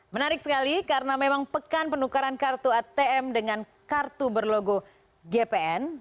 menarik sekali karena memang pekan penukaran kartu atm dengan kartu berlogo gpn